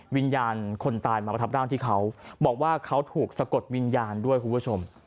วิญญาณคนตายมาประทับร่างที่เขาบอกว่าเขาถูกสะกดวิญญาณด้วยคุณผู้ชม